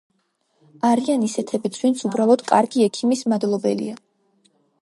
არიან ისეთებიც, ვინც უბრალოდ კარგი ექიმის მადლობელია.